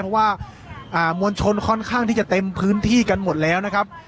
เพราะว่ามวลชนค่อนข้างที่จะเต็มพื้นที่กันหมดแล้วนะครับ